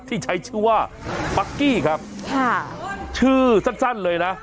ที่ใช้ชื่อว่าปั๊กกี้ครับค่ะชื่อสั้นเลยนะ